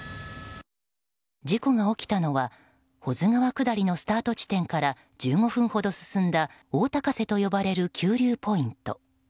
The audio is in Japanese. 事故が起きたのは保津川下りのスタート地点から１５分ほど進んだ大高瀬と呼ばれる急流ポイント。